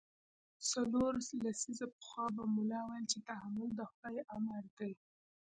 څلور لسیزې پخوا به ملا ویل چې تحمل د خدای امر دی.